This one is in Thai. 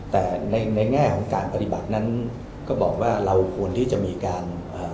แต่ในในแง่ของการปฏิบัตินั้นก็บอกว่าเราควรที่จะมีการอ่า